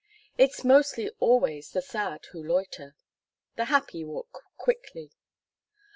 It's mostly always the sad who loiter. The happy walk quickly.